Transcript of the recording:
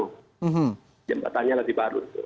jembatannya lebih baru